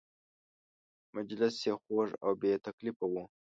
مجلس یې خوږ او بې تکلفه و.